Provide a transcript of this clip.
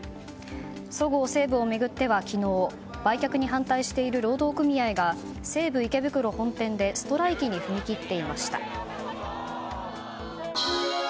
そごう・西武を巡っては昨日売却に反対している労働組合が西武池袋本店でストライキに踏み切っていました。